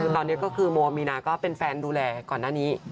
ตอนนี้ก็คือโมมีนาก็เป็นแฟนดูแลก่อนหน้านี้